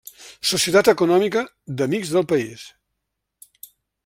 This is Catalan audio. Societat Econòmica d’Amics del País.